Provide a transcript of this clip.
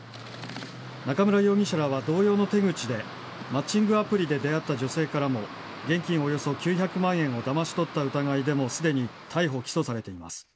中村容疑者らは同様の手口でマッチングアプリで出会った女性からも現金およそ９００万円をだまし取った疑いですでに逮捕、起訴されています。